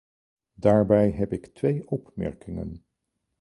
Daarbij heb ik twee opmerkingen.